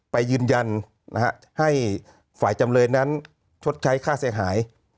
ไปยืนยันให้ฝ่ายจำเลยนั้นชดใช้ค่าเสียหาย